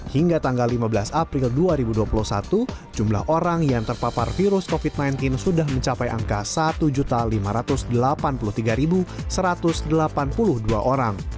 hingga tanggal lima belas april dua ribu dua puluh satu jumlah orang yang terpapar virus covid sembilan belas sudah mencapai angka satu lima ratus delapan puluh tiga satu ratus delapan puluh dua orang